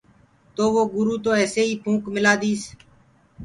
تو وو گُروُ تو ايسي ئي ڦونڪ مِلآ ديس۔